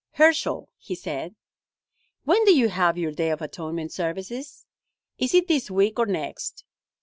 "Herschel," he said, "when do you have your Day of Atonement services? Is it this week or next?